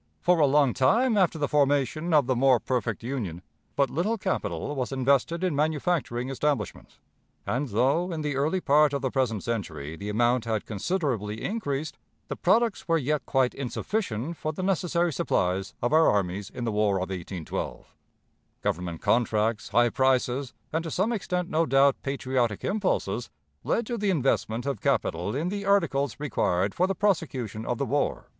For a long time after the formation of the "more perfect Union," but little capital was invested in manufacturing establishments; and, though in the early part of the present century the amount had considerably increased, the products were yet quite insufficient for the necessary supplies of our armies in the War of 1812. Government contracts, high prices, and to some extent, no doubt, patriotic impulses, led to the investment of capital in the articles required for the prosecution of the war.